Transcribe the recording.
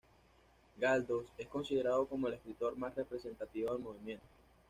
Galdós es considerado como el escritor más representativo del movimiento.